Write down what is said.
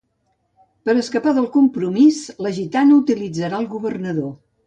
Per escapar del compromís, la gitana utilitzarà al governador.